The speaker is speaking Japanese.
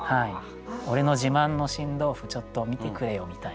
「俺の自慢の新豆腐ちょっと見てくれよ」みたいな。